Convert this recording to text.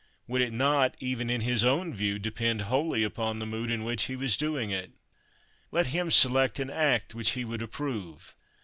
Would it not, even in his own view, depend wholly upon the mood in which he was doing it? Let him select an act which he would approve.